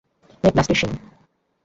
Red ব্লাস্টারের শিং।